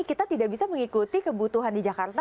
kita tidak bisa mengikuti kebutuhan di jakarta